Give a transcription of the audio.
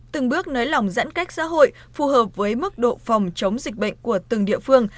từng bước nới lỏng giãn cách xã hội phù hợp với mức độ phòng chống dịch bệnh của từng địa phương